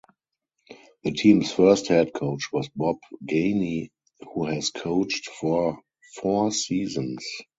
The team's first head coach was Bob Gainey, who has coached for four seasons.